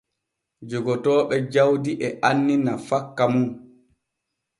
Jogotooɓe jawdi e anni nafakka mum.